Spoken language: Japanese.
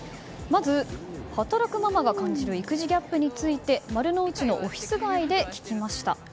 まず、働くママが感じる育児ギャップについて丸の内のオフィス街で聞きました。